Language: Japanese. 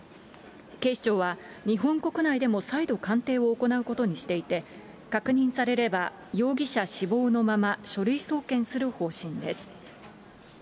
警視庁は、日本国内でも再度鑑定を行うことにしていて、確認されれば、容疑者死亡のまま、書類送検する方針です。